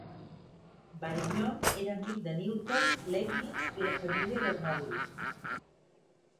Varignon era amic de Newton, Leibniz i la família Bernoulli.